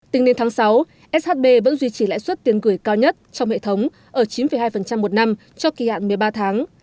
tính đến tháng sáu shb vẫn duy trì lãi suất tiền gửi cao nhất trong hệ thống ở chín hai một năm cho kỳ hạn một mươi ba tháng